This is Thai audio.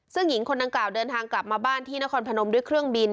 ซึ่งหญิงคนดังกล่าวเดินทางกลับมาบ้านที่นครพนมด้วยเครื่องบิน